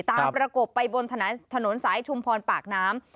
ประกบไปบนถนนสายชุมพรปากน้ำ